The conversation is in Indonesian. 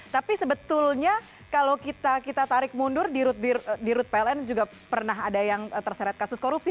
tapi sebetulnya kalau kita tarik mundur di rut pln juga pernah ada yang terseret kasus korupsi